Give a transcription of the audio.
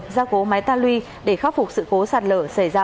ra cố máy ta luy để khắc phục sự cố sạt lở xảy ra